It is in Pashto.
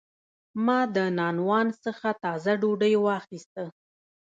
ما د نانوان څخه تازه ډوډۍ واخیسته.